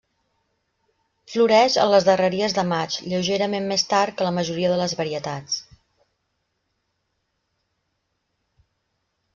Floreix a les darreries de maig, lleugerament més tard que la majoria de les varietats.